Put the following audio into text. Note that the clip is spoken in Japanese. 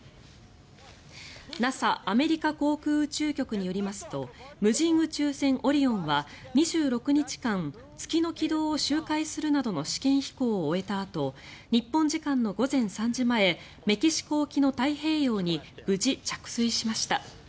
ＮＡＳＡ・アメリカ航空宇宙局によりますと無人宇宙船オリオンは、２６日間月の軌道を周回するなどの試験飛行を終えたあと日本時間の午前３時前メキシコ沖の太平洋に無事、着水しました。